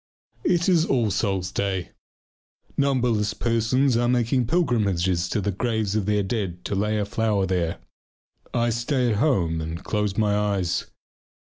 It is all souls' day. Numberless persons are making pilgrimages to the graves of their dead to lay a flower there. I stay at home and close my eyes.